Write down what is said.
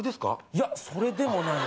いやそれでもない。